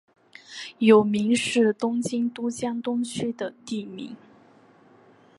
有明是东京都江东区的地名。